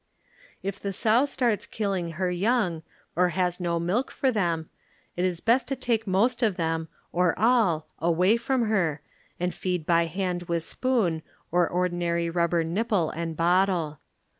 If the sow starts killing her young, or has no milk for them, it is best to take most of them, or all, away from her and feed by hand with spoon or ordinary rubber nipple and bottle.